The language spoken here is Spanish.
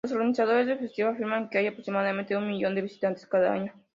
Los organizadores del festival afirman que hay aproximadamente un millón de visitantes cada año.